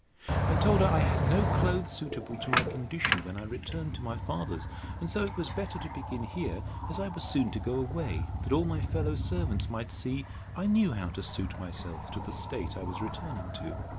I told her, I had no clothes suitable to my condition when I returned to my father's; and so it was better to begin here, as I was soon to go away, that all my fellow servants might see I knew how to suit myself to the state I was returning to.